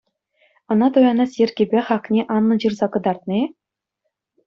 Ӑна туянас йӗркепе хакне анлӑн ҫырса кӑтартнӑ-и?